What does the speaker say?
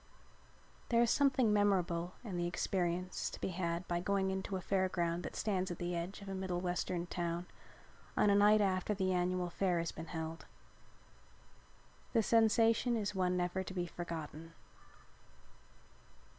There is something memorable in the experience to be had by going into a fair ground that stands at the edge of a Middle Western town on a night after the annual fair has been held. The sensation is one never to be forgotten.